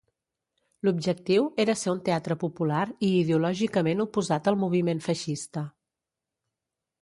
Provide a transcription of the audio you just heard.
L'objectiu era ser un teatre popular i ideològicament oposat al moviment feixista.